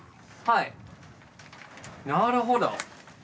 はいなるほど。